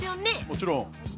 ◆もちろん。